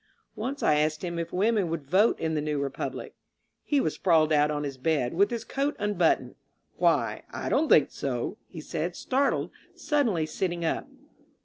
Once I asked him if women would vote in the new Re public. He was sprawled out on his bed, with his coat unbuttoned. ^^Why, I don't think so," he said, startled, suddenly sitting up.